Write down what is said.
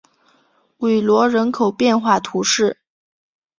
韦罗人口变化图示